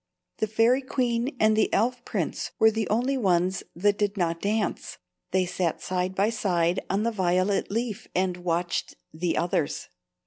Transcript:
The fairy queen and the elf prince were the only ones that did not dance; they sat side by side on the violet leaf and watched the others.